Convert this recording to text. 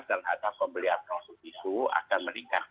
dan atau pembelian produk itu akan meningkat